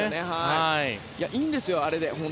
いいんですよ、あれで。